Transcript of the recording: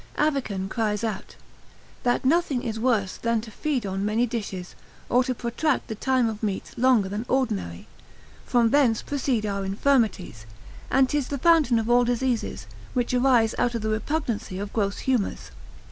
Avicen cries out, That nothing is worse than to feed on many dishes, or to protract the time of meats longer than ordinary; from thence proceed our infirmities, and 'tis the fountain of all diseases, which arise out of the repugnancy of gross humours.